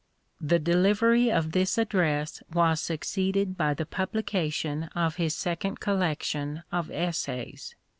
The delivery of this address was succeeded by the publication of his second collection of essays.